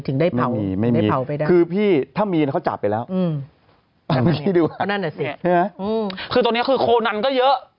ถึงได้เผาไปได้คือพี่ถ้ามีเขาจับไปแล้วนั่นแหละสิใช่ไหมคือตอนนี้คือโคนันก็เยอะ